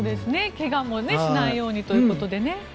怪我もしないようにということでね。